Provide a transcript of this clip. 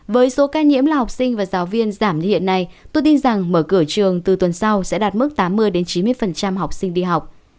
với số ca nhiễm là học sinh và giáo viên giảm như hiện nay tôi tin rằng mở cửa trường từ tuần sau sẽ đạt mức tám mươi chín mươi học sinh đi học